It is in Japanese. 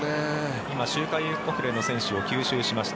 今、周回遅れの選手を吸収しました。